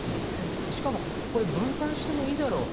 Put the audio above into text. しかもこれ分担してもいいだろう。